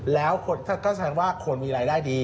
แล้วก็แสดงว่าคนมีรายได้ดี